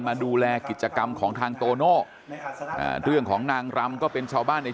มาดูแลกิจกรรมของทางโตโน่อ่าเรื่องของนางรำก็เป็นชาวบ้านใน